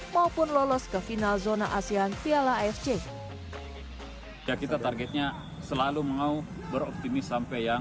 satu maupun lolos ke final zona asean piala fc kita targetnya selalu mau beroptimis sampai